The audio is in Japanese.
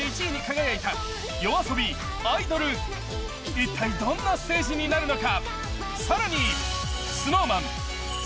一体どんなステージになるのか。